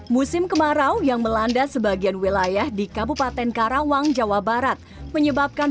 musim kemarau yang melanda sebagian wilayah di kabupaten karawang jawa barat menyebabkan